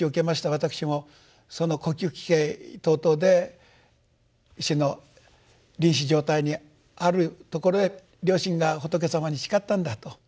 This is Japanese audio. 私もその呼吸器系等々で死の臨死状態にあるところへ両親が仏様に誓ったんだと。